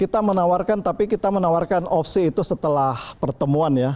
kita menawarkan tapi kita menawarkan opsi itu setelah pertemuan ya